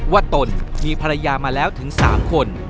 ตนมีภรรยามาแล้วถึง๓คน